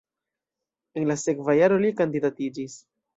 En la sekva jaro li kandidatiĝis.